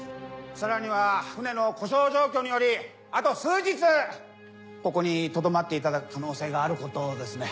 さらには船の故障状況によりあと数日ここにとどまっていただく可能性があることをですね。